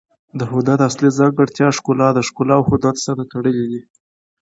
د هنر اصلي ځانګړتیا ښکلا ده. ښګلا او هنر سره تړلي دي.